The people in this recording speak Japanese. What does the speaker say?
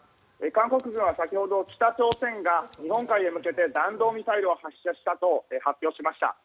韓国軍は先ほど北朝鮮が日本海へ向けて弾道ミサイルを発射したと発表しました。